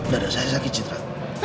darah saya sakit citra